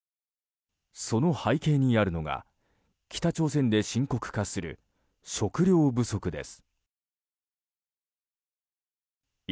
その背景にあるのが北朝鮮で深刻化する食糧不足です。